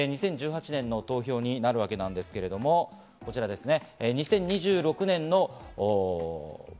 ２０１８年の投票になるわけなんですけれども、こちらですね。